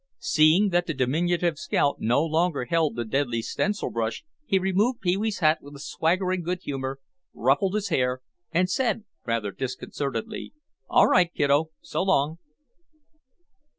Seeing that the diminutive scout no longer held the deadly stencil brush he removed Pee wee's hat with a swaggering good humor, ruffled his hair, and said (rather disconcertedly), "All right, kiddo; so long."